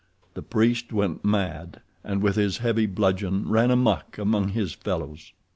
The priest went mad, and with his heavy bludgeon ran amuck among his fellows.